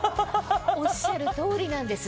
おっしゃる通りなんです。